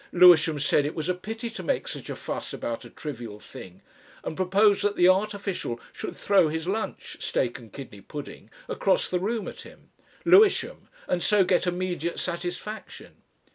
Lewisham said it was a pity to make such a fuss about a trivial thing, and proposed that the Art official should throw his lunch steak and kidney pudding across the room at him, Lewisham, and so get immediate satisfaction.